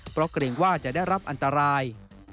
เพราะเกรงว่าจะได้รับอันตราย